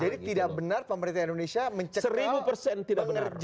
jadi tidak benar pemerintah indonesia mencegah mengerjai dan melarang